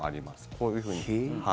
こういうふうに。